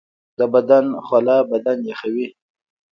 د بدن خوله بدن یخوي